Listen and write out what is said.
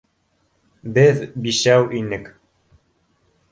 Беҙ бишәү инек.